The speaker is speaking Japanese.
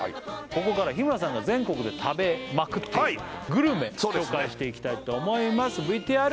ここから日村さんが全国で食べまくっているグルメ紹介していきたいと思います